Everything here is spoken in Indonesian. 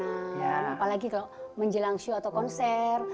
apalagi kalau menjelang show atau konser